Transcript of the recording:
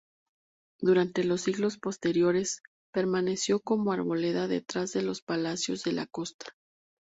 Durante los siglos posteriores, permaneció como arboleda detrás de los palacios de la costa.